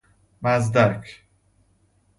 مزدک